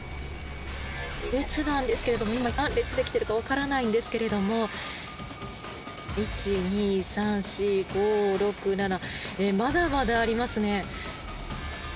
列なんですが今、何列できているかわからないんですが１、２、３、４、５、６、７まだまだありますね。